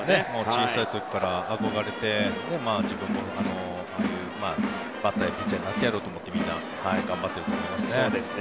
小さい時から憧れて自分もバッターやピッチャーになりたいと思ってみんな頑張っていると思いますね。